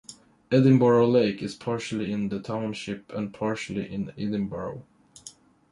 Edinboro Lake is partially in the township and partially in Edinboro.